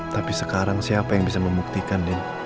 tapi sekarang siapa yang bisa membuktikan dia